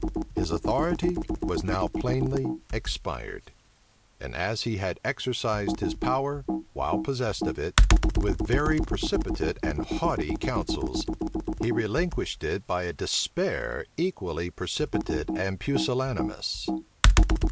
His authority was now plainly expired; and as he had exercised his power, while possessed of it, with very precipitate and haughty counsels, he relinquished it by a despair equally precipitate and pusillanimous.